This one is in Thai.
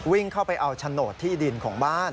วิ่งเข้าไปเอาโฉนดที่ดินของบ้าน